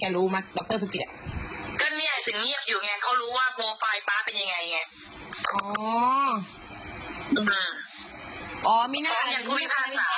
แกรู้ไหมดรสุกิตอะก็เนี่ยสิ้นเงียบอยู่ไงเขารู้ว่า